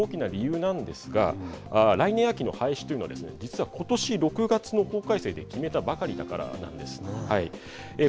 その最も大きな理由なんですが来年秋の廃止というのはですね実はことし６月の法改正で決めたばかりだからなんです。